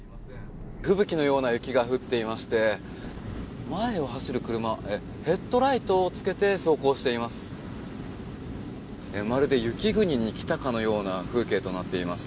吹雪のような雪が降っていまして前を走る車ヘッドライトをつけて走行しています。